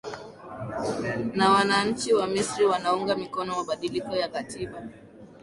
na wananchi wa misri wanaunga mikono mabadiliko ya katiba